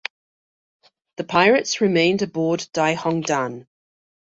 The pirates remained aboard "Dai Hong Dan".